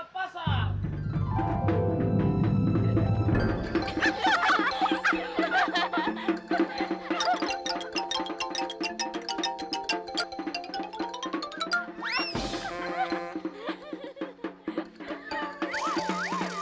kami pergi ke pasar